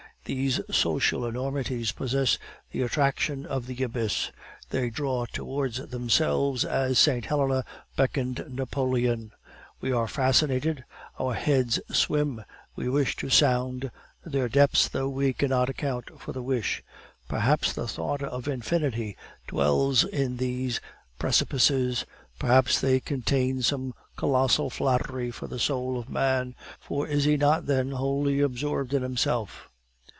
These social enormities possess the attraction of the abyss; they draw towards themselves as St. Helena beckoned Napoleon; we are fascinated, our heads swim, we wish to sound their depths though we cannot account for the wish. Perhaps the thought of Infinity dwells in these precipices, perhaps they contain some colossal flattery for the soul of man; for is he not, then, wholly absorbed in himself?